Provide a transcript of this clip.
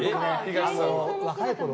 若いころ